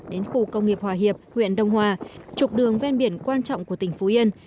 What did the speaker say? đến khu công nghiệp hòa hiệp huyện đông hòa trục đường ven biển quan trọng của tỉnh phú yên